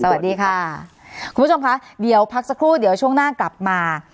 สวัสดีค่ะคุณผู้ชมค่ะเดี๋ยวพักสักครู่เดี๋ยวช่วงหน้ากลับมา